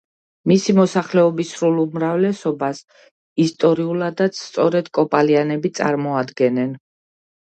მისი მოსახლეობის სრულ უმრავლესობას ისტორიულადაც სწორედ კოპალიანები წარმოადგენენ.